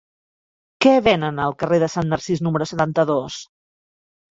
Què venen al carrer de Sant Narcís número setanta-dos?